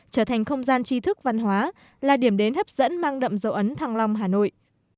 trở thành không gian chi thức văn hóa là điểm đến hấp dẫn mang đậm dấu ấn thăng long hà nội